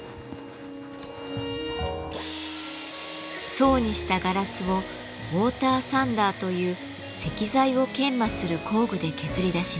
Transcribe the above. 層にしたガラスをウォーターサンダーという石材を研磨する工具で削り出します。